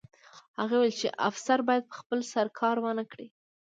هغه وویل چې افسر باید په خپل سر کار ونه کړي